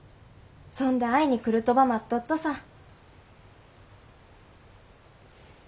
そんで会いに来るとば待っとっとさ。